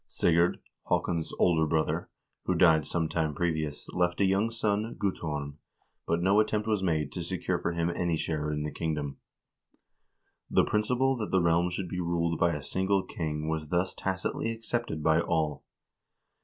Sigurd, Haakon's older brother, who died some time previous, left a young son, Guttorm, but no attempt was made to secure for him any share in the kingdom. The principle that the realm should be ruled by a single king was thus tacitly accepted by all.